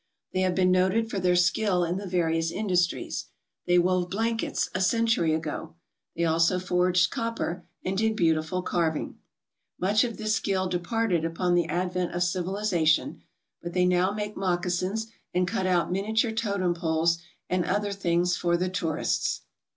They have been noted for their skill in the various industries. They wove blankets a century ago. They also forged copper and did beautiful carving. Much of 46 THE THLINGETS AND THE HYDAHS this skill departed upon the advent of civilization, but they now make moccasins and cut out miniature totem poles and other things for the tourists.